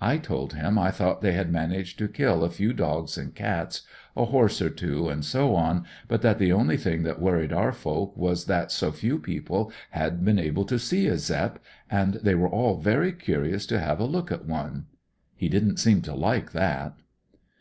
I told hun I thought they had managed to kill a few dogs and cats, a horse or two and so on ; but that the only thing that worried our folk was that so few people had been able to see a Zepp, and they were all very curious to have a look at one. He didn't seem to like that.